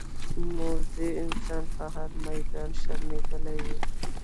موزي انسان په هر میدان شرمېدلی وي.